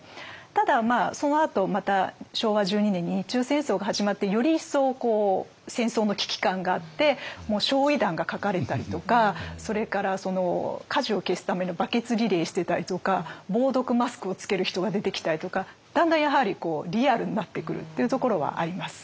ただそのあとまた昭和１２年に日中戦争が始まってより一層戦争の危機感があって焼夷弾が描かれたりとかそれから火事を消すためのバケツリレーしてたりとか防毒マスクを着ける人が出てきたりとかだんだんやはりリアルになってくるっていうところはあります。